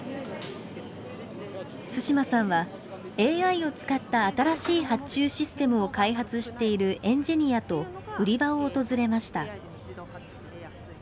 対馬さんは、ＡＩを使った新しい発注システムを開発しているエンジニアと売り場を訪れました。